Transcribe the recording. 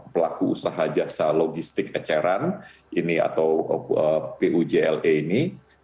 pelaku usaha jasa logistik eceran ini atau pujle ini